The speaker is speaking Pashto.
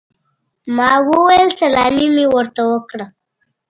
ما وویل: 'A rivederla' او سلامي مې ورته وکړه چې ډېره سخته وه.